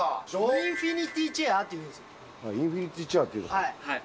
インフィニティチェアっていインフィニティチェアっていはい。